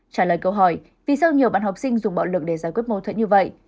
trả lời câu hỏi vì sao nhiều bạn học sinh dùng bạo lực để giải quyết mâu thuẫn như vậy